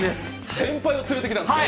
先輩を連れてきたんですね。